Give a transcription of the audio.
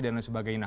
dan lain sebagainya